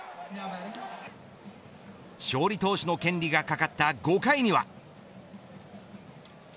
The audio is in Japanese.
勝利投手の権利が懸かった５回には。